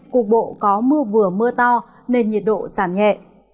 cục bộ có mưa vừa mưa to nên nhiệt độ giảm nhẹ